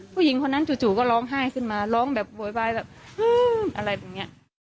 ผู้หญิงคนนั้นจู่ก็ร้องไห้ขึ้นมาร้องแบบโวยวายแบบอะไรแบบนี้